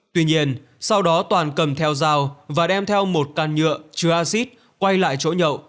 tuy nhiên sau đó toàn cầm theo dao và đem theo một càn nhựa chứa acid quay lại chỗ nhậu